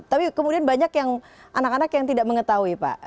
tapi kemudian banyak yang anak anak yang tidak mengetahui pak